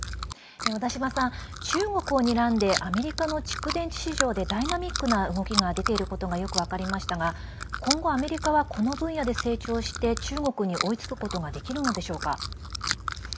小田島さん、中国をにらんでアメリカの蓄電池市場でダイナミックな動きが出ていることがよく分かりましたが今後、アメリカはこの分野で成長して中国に追いつくことができるのでしょうか。